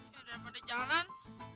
ya daripada jalan